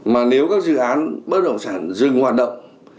mà nếu các dự án bất động sản dừng hoạt động